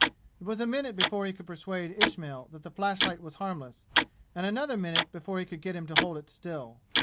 It was a minute before he could persuade Ismail that the flashlight was harmless, and another minute before he could get him to hold it still.